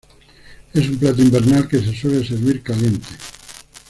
Es un plato invernal que se suele servir caliente.